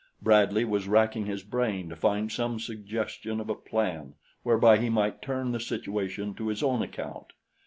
Bradley was racking his brain to find some suggestion of a plan whereby he might turn the situation to his own account.